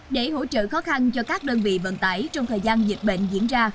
để hỗ trợ khó khăn cho các đơn vị vận tải trong thời gian dịch bệnh diễn ra